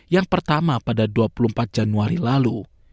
yang pertama pada dua puluh empat januari lalu